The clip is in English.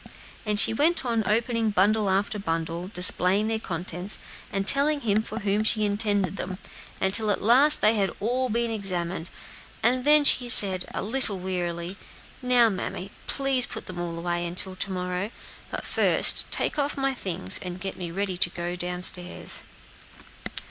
And she went on opening bundle after bundle, displaying their contents, and telling him for whom she intended them, until at last they had all been examined, and then she said, a little wearily, "Now, mammy, please put them all away until to morrow. But first take off my things and get me ready to go downstairs."